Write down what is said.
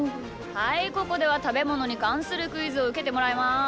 はいここではたべものにかんするクイズをうけてもらいます。